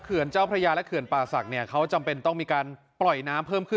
เจ้าพระยาและเขื่อนป่าศักดิ์เนี่ยเขาจำเป็นต้องมีการปล่อยน้ำเพิ่มขึ้น